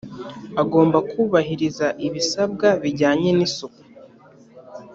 agomba kubahiriza ibisabwa bijyanye n isuku